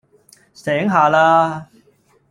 醒下啦